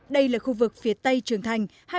đây là khu vực phía tây trường thành